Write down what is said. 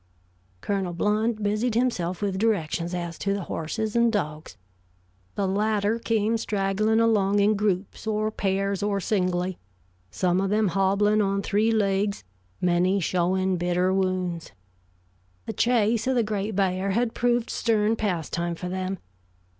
Colonel Blount busied himself with directions as to the horses and dogs. The latter came straggling along in groups or pairs or singly, some of them hobbling on three legs, many showing bitter wounds. The chase of the great bear had proved stern pastime for them.